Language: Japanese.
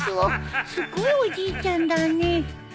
すっごいおじいちゃんだね